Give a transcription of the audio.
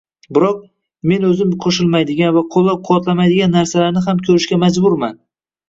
Biroq, men oʻzim qoʻshilmaydigan va qoʻllab-quvvatlamaydigan narsalarni ham koʻrishga majburman.